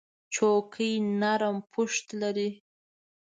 چوکۍ نرم پُشت لري.